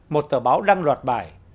một tờ báo đăng loạt bài